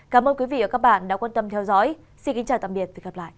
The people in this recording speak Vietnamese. cảm ơn quý vị và các bạn đã quan tâm theo dõi xin kính chào và tạm biệt